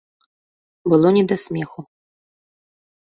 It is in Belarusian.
Было не да смеху.